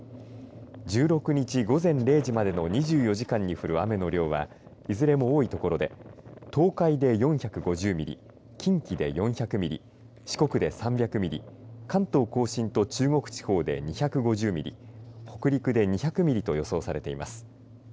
１６日午前０時までの２４時間に降る雨の量はいずれも多いところで東海で４５０ミリ、近畿で４００ミリ、四国で３００ミリ、関東甲信と中国地方で２５０ミリ、北陸で２００ミリと予想されています。